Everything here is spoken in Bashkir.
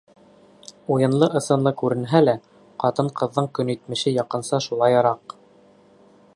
Уйынлы-ысынлы күренһә лә, ҡатын-ҡыҙҙың көнитмеше яҡынса шулайыраҡ.